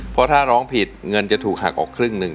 เพราะถ้าร้องผิดเงินจะถูกหักออกครึ่งหนึ่ง